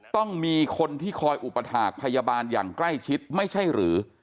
ต้องมีคนที่คอยอุปถาคพยาบาลอย่างใกล้ชิดไม่ใช่หรือ